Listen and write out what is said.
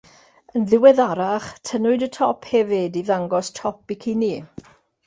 Yn ddiweddarach, tynnwyd y top hefyd i ddangos top bicini.